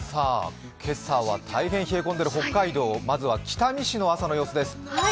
今朝は大変冷え込んでいる北海道、まずは北見市の朝の様子です。